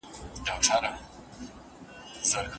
لارښود به ټولې تېروتني ور په ګوته کړې وي.